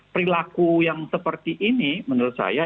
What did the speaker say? perilaku yang seperti ini menurut saya